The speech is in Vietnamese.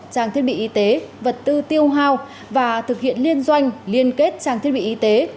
trang thiết bị y tế vật tư tiêu hao và thực hiện liên doanh liên kết trang thiết bị y tế